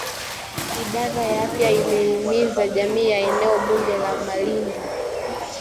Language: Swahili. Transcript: Idara ya afya imeihimiza jamii ya Eneo bunge la Malindi